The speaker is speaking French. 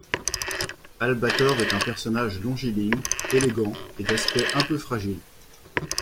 Albator est un personnage longiligne, élégant et d'aspect un peu fragile.